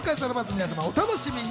皆さんお楽しみに。